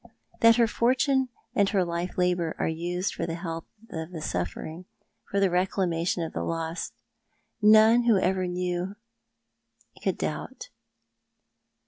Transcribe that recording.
That her fortune and her life labour are used for the help of the suffering, for the reclamation of the lost, none who ever knew her could doubt.